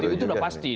itu sudah pasti